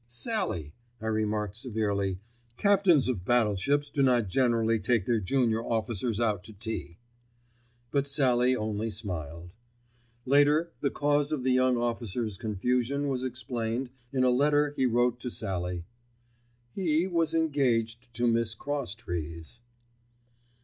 "Sallie," I remarked severely, "captains of battleships do not generally take their junior officers out to tea." But Sallie only smiled. Later the cause of the young officer's confusion was explained in a letter he wrote to Sallie. He was engaged to Miss Crosstrees.